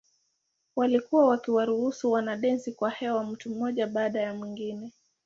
Walikuwa wakiwarusha wanadensi kwa hewa mtu mmoja baada ya mwingine.